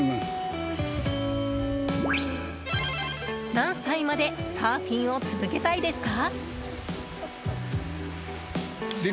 何歳までサーフィンを続けたいですか？